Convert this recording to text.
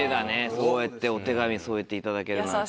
そうやってお手紙添えていただけるなんて。